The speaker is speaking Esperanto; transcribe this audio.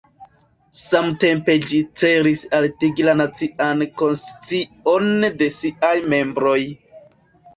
Samtempe ĝi celis altigi la nacian konscion de siaj membroj.